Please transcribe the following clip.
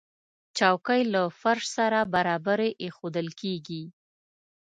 چوکۍ له فرش سره برابرې ایښودل کېږي.